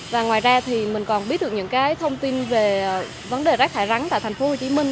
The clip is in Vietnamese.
và ngoài ra thì mình còn biết được những cái thông tin về vấn đề rác thải rắn tại tp hcm